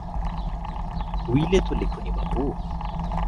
Willey তো লেখেনি বাপু!